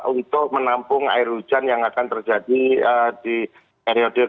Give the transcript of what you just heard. untuk menampung air hujan yang akan terjadi di erode kedua